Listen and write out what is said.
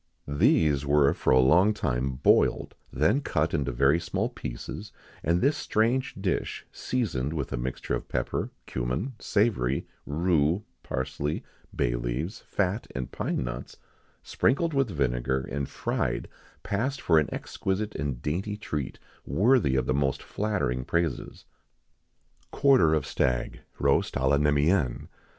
These were for a long time boiled, then cut into very small pieces, and this strange dish, seasoned with a mixture of pepper, cummin, savory, rue, parsley, bay leaves, fat, and pine nuts, sprinkled with vinegar, and fried, passed for an exquisite and dainty treat, worthy of the most flattering praises.[XIX 53] _Quarter of Stag, roast à la Neméenne.